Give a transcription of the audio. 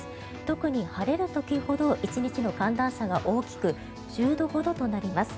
特に晴れる時ほど１日の寒暖差が大きく１０度ほどとなります。